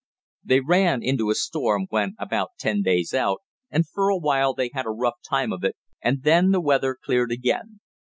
They ran into a storm when about ten days out, and for a while they had a rough time of it, and then the weather cleared again.